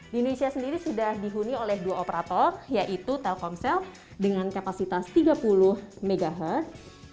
di indonesia sendiri sudah dihuni oleh dua operator yaitu telkomsel dengan kapasitas tiga puluh mhz